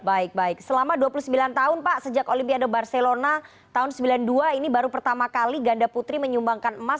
baik baik selama dua puluh sembilan tahun pak sejak olimpiade barcelona tahun sembilan puluh dua ini baru pertama kali ganda putri menyumbangkan emas